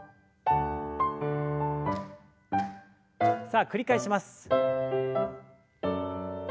さあ繰り返します。